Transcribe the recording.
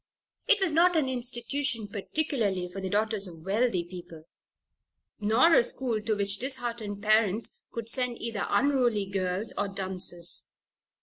It was not an institution particularly for the daughters of wealthy people, nor a school to which disheartened parents could send either unruly girls, or dunces.